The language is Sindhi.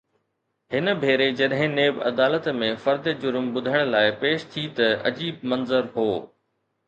هن ڀيري جڏهن نيب عدالت ۾ فرد جرم ٻڌڻ لاءِ پيش ٿي ته عجيب منظر هو.